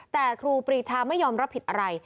แต่ครูปรีชาไม่ยอมรับผิดอะไร